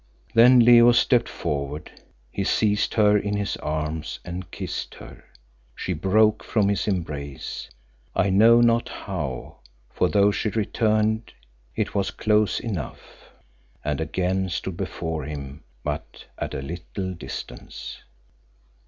Then Leo stepped forward; he seized her in his arms and kissed her. She broke from his embrace, I know not how, for though she returned it was close enough, and again stood before him but at a little distance.